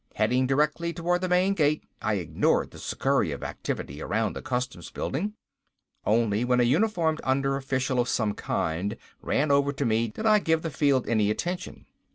Heading directly towards the main gate, I ignored the scurry of activity around the customs building. Only when a uniformed under official of some kind ran over to me, did I give the field any attention.